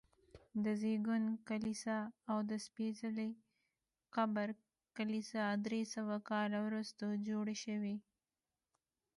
د زېږون کلیسا او د سپېڅلي قبر کلیسا درې سوه کاله وروسته جوړې شوي.